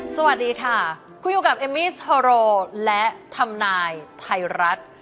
สวัสดีค่ะคุณอยู่กับเอมมี่โทโรและทำนายไทยรัฐ